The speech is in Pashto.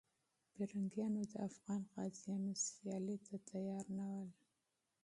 پرنګیانو د افغان غازیانو مقابلې ته تیار نه ول.